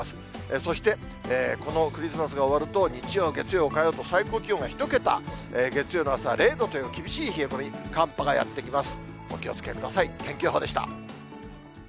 そして、このクリスマスが終わると、日曜、月曜、火曜と、最高気温が１桁、月曜の朝は０度という厳しい冷え込み、寒波がやって来ます。